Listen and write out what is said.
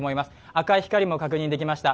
赤い光も確認できました。